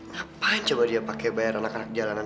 ngapain coba dia pake bayaran anak anak jalanan